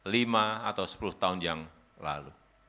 lima atau sepuluh tahun yang lalu